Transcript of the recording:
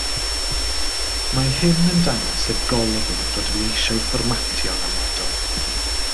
Mae hyn yn dangos y golofn rydw i eisiau'i fformatio'n amodol.